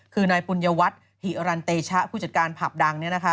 คือนายปุญญวัตรหิรันเตชะผู้จัดการผับดัง